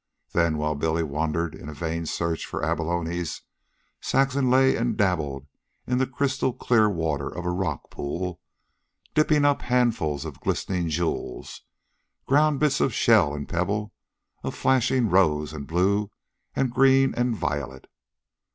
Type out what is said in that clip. Then, while Billy wandered in a vain search for abalones, Saxon lay and dabbled in the crystal clear water of a rock pool, dipping up handfuls of glistening jewels ground bits of shell and pebble of flashing rose and blue and green and violet.